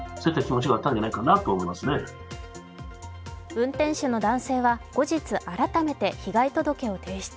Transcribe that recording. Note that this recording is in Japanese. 運転手の男性は後日、改めて被害届を提出。